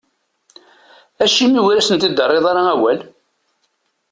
Acimi ur asent-d-terriḍ ara awal?